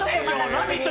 「ラヴィット！」